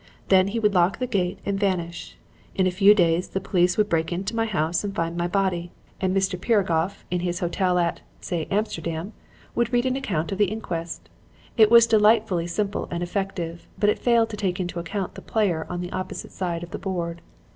Then he would lock the gate and vanish. In a few days the police would break into my house and find my body; and Mr. Piragoff, in his hotel at, say Amsterdam, would read an account of the inquest. It was delightfully simple and effective, but it failed to take into account the player on the opposite side of the board.